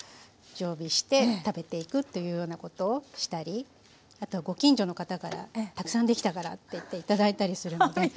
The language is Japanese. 常備して食べていくというようなことをしたりあとはご近所の方からたくさん出来たからっていって頂いたりするので。